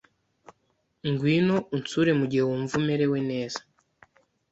Ngwino unsure mugihe wumva umerewe neza.